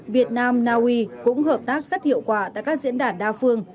việt nam naui cũng hợp tác rất hiệu quả tại các diễn đàn đa phương